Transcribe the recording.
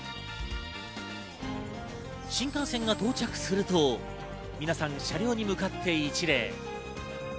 新幹線が到着すると皆さん、車両に向かって一礼。